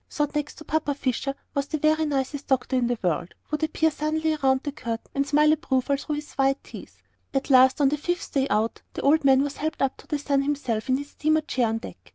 Or Dr. Jones, whom Polly thought, next to Papa Fisher, was the very nicest doctor in all the world, would appear suddenly around the curtain, and smile approval through his white teeth. At last on the fifth day out, the old man was helped up to sun himself in his steamer chair on deck.